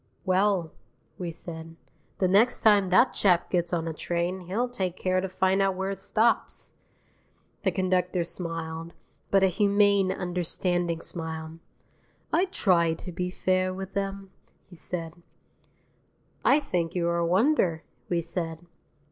"Well," we said, "the next time that chap gets on a train he'll take care to find out where it stops." The conductor smiled, but a humane, understanding smile. "I try to be fair with 'em," he said. "I think you were a wonder," we said.